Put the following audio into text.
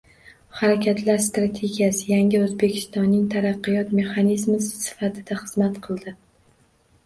Harakatlar strategiyasi – yangi O‘zbekistonning taraqqiyot mexanizmi sifatida xizmat qildi